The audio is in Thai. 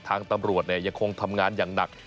ทางตำรวจยังคงทำงานอย่างหนัก